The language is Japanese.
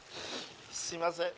すいません。